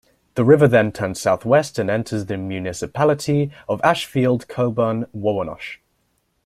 The river then turns southwest and enters the municipality of Ashfield-Colborne-Wawanosh.